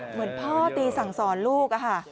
เหมือนพอตีสังสรรค์ลูก